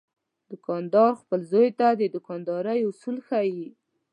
دوکاندار خپل زوی ته د دوکاندارۍ اصول ښيي.